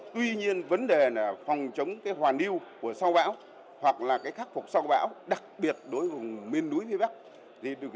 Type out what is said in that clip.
tuy nhiên vấn đề là phòng chấm hoàn lưu của sông bão hoặc là khắc phục sông bão đặc biệt đối với miền núi phía bắc